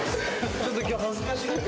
ちょっときょう、恥ずかしくて。